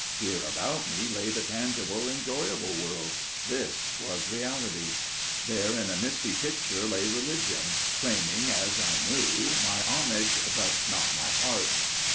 Here about me lay the tangible enjoyable world––this was reality: there in a misty picture lay religion, claiming, as I knew, my homage, but not my heart.